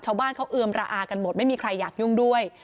ชาวบ้านเขาเอือมระอากันหมดไม่มีใครอยากยุ่งด้วย